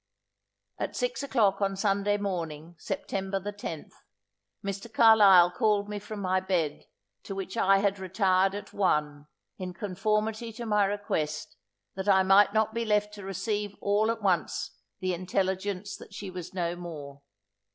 At six o'clock on Sunday morning, September the tenth, Mr. Carlisle called me from my bed to which I had retired at one, in conformity to my request, that I might not be left to receive all at once the intelligence that she was no more.